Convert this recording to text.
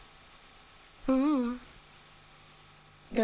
ううん。